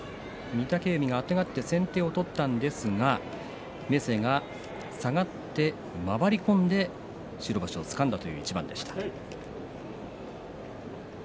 御嶽海があてがって先手を取ったんですが明生が下がって回り込んで白星をつかみました。